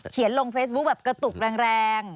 เขียนลงเฟซบุ๊กแบบกระตุกราง